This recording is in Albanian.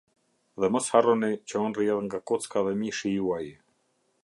Dhe mos harroni që unë rrjedh nga kocka dhe mishi juaj".